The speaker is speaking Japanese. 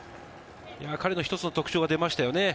彼の一つの特徴が出ましたね。